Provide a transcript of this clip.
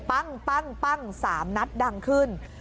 ปั้ง๓นัดดังขึ้น